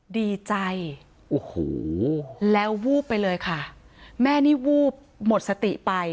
ดีใจโอ้โหแล้ววูบไปเลยค่ะแม่นี่วูบหมดสติไป